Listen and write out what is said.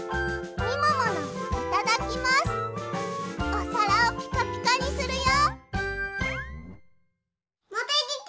おさらをピカピカにするよ！